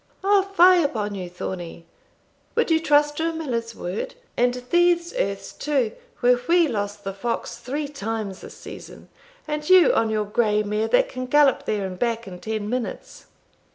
"O fie upon you, Thornie! would you trust to a miller's word? and these earths, too, where we lost the fox three times this season! and you on your grey mare, that can gallop there and back in ten minutes!"